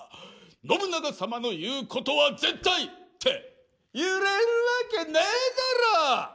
信長様の言うことは絶対！」って言えるわけねえだろ！